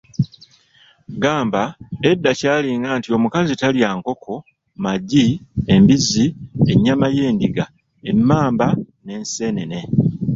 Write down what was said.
Gamba edda kyalinga nti omukazi talya nkoko, magi, embizzi, ennyama y’endiga, emmamba, n’enseenene.